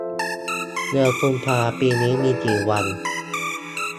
เดือนกุมภาปีนี้มีกี่วัน